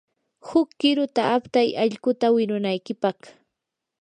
huk qiruta aptay allquta wirunaykipaq.